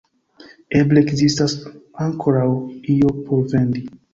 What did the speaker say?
Eble ekzistas ankoraŭ io por vendi?